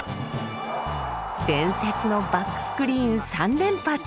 伝説のバックスクリーン３連発！